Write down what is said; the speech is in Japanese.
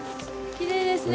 きれいですね。